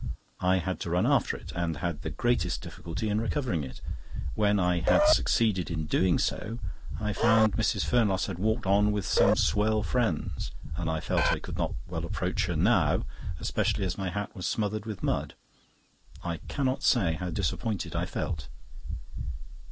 I had to run after it, and had the greatest difficulty in recovering it. When I had succeeded in doing so, I found Mrs. Fernlosse had walked on with some swell friends, and I felt I could not well approach her now, especially as my hat was smothered with mud. I cannot say how disappointed I felt.